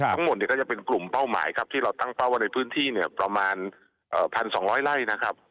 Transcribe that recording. ทั้งหมดเนี่ยก็จะเป็นกลุ่มเป้าหมายครับที่เราตั้งเป้าว่าในพื้นที่เนี่ยประมาณ๑๒๐๐ไร่นะครับ